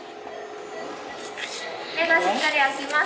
目がしっかり開きます？